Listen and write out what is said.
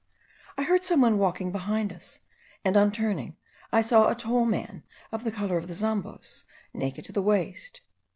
I heard some one walking behind us, and on turning, I saw a tall man of the colour of the Zambos, naked to the waist.